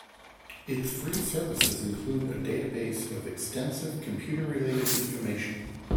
Its free services include a database of extensive computer-related information.